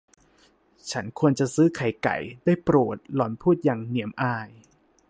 ฉันควรจะซื้อไข่ไก่ ได้โปรด หล่อนพูดอย่างเหนียมอาย